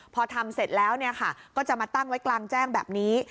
พอทำเสร็จแล้วก็จะมาตั้งไว้กลางแจ้งแบบนี้